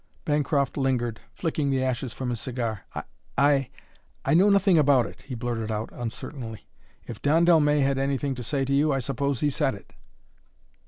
Bancroft lingered, flicking the ashes from his cigar. "I I know nothing about it," he blurted out, uncertainly. "If Don Dellmey had anything to say to you I suppose he said it."